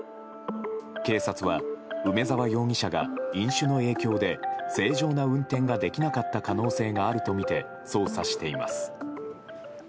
警察は梅沢容疑者が飲酒の影響で正常な運転ができなかった可能性があるとみて捜査しています。